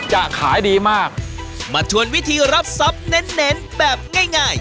จะขายดีมากมาชวนวิธีรับทรัพย์เน้นเน้นแบบง่ายง่าย